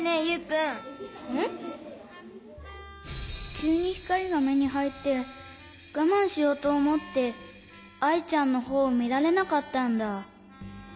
きゅうにひかりがめにはいってがまんしようとおもってアイちゃんのほうをみられなかったんだ。